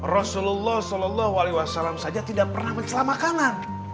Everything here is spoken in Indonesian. rasulullah saw saja tidak pernah mencelamakanan